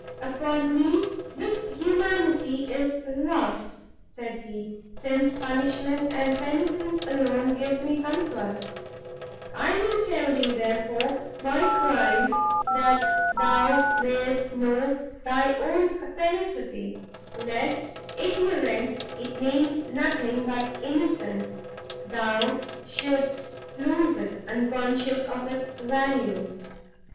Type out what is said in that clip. "Upon me this humanity is lost," said he, "since punishment and penitence alone give me comfort. I will tell thee, therefore, my crimes, that thou mayst know thy own felicity, lest, ignorant it means nothing but innocence, thou shouldst lose it, unconscious of its value.